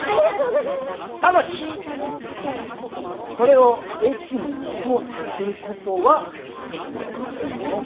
ただしこれをＡチームのレポートとすることは認められませんよ。